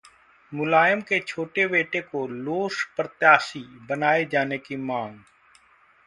मुलायम के छोटे बेटे को लोस प्रत्याशी बनाये जाने की मांग